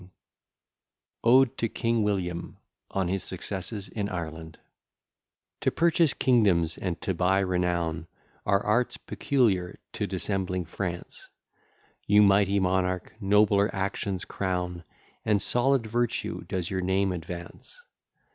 ] ODE TO KING WILLIAM ON HIS SUCCESSES IN IRELAND To purchase kingdoms and to buy renown, Are arts peculiar to dissembling France; You, mighty monarch, nobler actions crown, And solid virtue does your name advance.